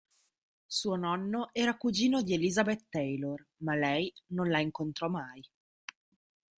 Suo nonno era cugino di Elizabeth Taylor, ma lei non la incontrò mai.